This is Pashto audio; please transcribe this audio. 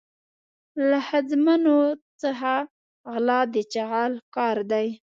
له ښځمنو څخه غلا د چغال کار دی.